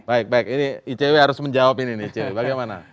baik baik ini icw harus menjawab ini bagaimana